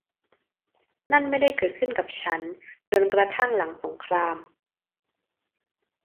นั่นไม่ได้เกิดขึ้นกับฉันจนกระทั่งหลังสงคราม